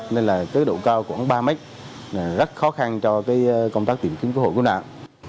nên độ cao khoảng ba mét rất khó khăn cho công tác tìm kiếm cơ hội của nạn